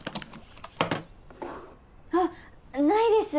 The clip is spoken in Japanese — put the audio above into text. あっないです！